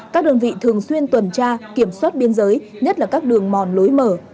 các đơn vị thường xuyên tuần tra kiểm soát biên giới nhất là các đường mòn lối mở